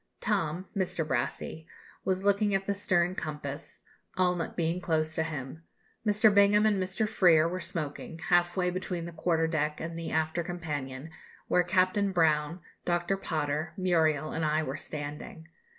Tom (Mr. Brassey) was looking at the stern compass, Allnutt being close to him. Mr. Bingham and Mr. Freer were smoking, half way between the quarter deck and the after companion, where Captain Brown, Dr. Potter, Muriel, and I were standing.